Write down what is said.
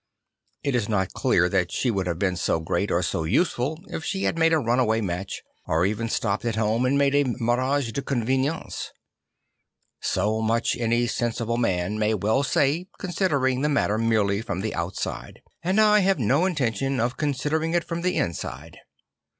It is not clear that she would have been so great or so useful if she had made a runaway match, or even stopped at home and made a mariage de convenance. So much any sensible man may well say considering the matter merely from the outside; and I have no intention of attempting to consider it from the inside.